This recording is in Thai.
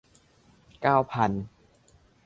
เก้าพัน